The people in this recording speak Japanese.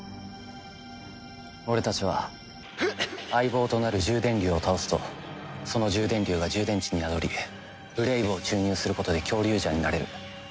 俺たちは相棒となる獣電竜を倒すとその獣電竜が獣電池に宿りブレイブを注入することでキョウリュウジャーになれる。